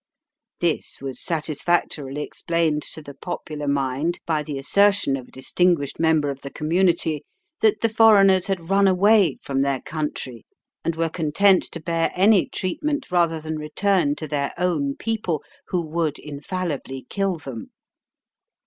This was satisfactorily explained to the popular mind by the assertion of a distinguished member of the community that the foreigners had run away from their country, and were content to bear any treatment rather than return to their own people, who would infallibly kill them.